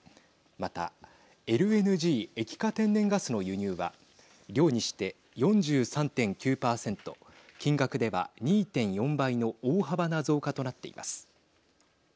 またＬＮＧ＝液化天然ガスの輸入は量にして４３．９％金額では２．４倍の大幅な増加となっています。